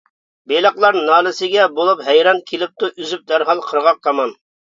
بېلىقلار نالىسىگە بولۇپ ھەيران، كېلىپتۇ ئۈزۈپ دەرھال قىرغاق تامان.